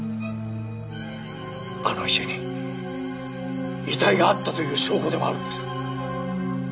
あの家に遺体があったという証拠でもあるんですか？